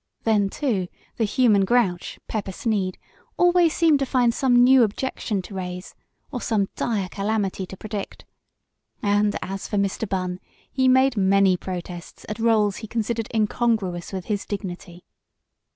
Then, too, the "human grouch," Pepper Sneed, seemed always to find some new objection to raise, or some dire calamity to predict. And as for Mr. Bunn, he made many protests at rôles he considered incongruous with his dignity.